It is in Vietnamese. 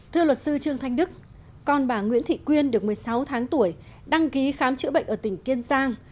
thưa luật sư trương thanh đức con bà nguyễn thị quyên được một mươi sáu tháng tuổi đăng ký khám chữa bệnh ở tỉnh kiên giang